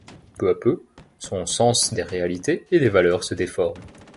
Peu à peu son sens des réalités et des valeurs se déforme.